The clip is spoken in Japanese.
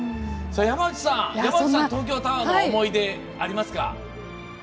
山内さんは東京タワーの思い出ありますか？